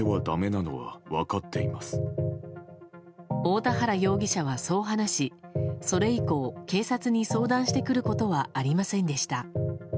大田原容疑者は、そう話しそれ以降、警察に相談してくることはありませんでした。